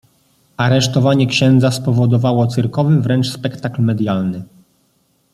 Aresztowanie księdza spowodowało cyrkowy wręcz spektakl medialny.